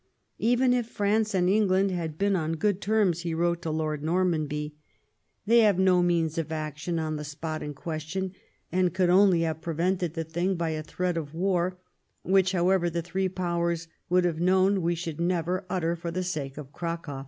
^'Even if France and England had been on good terms," he wrote to Lord Normanby, " they have no 110 LIFE OF VISCOUNT PALMEB8T0N. means of action on the spot in question, and could only have prevented the thing by a threat of war, which, however, the three Powers would have known we should never utter for the sake of Cracow.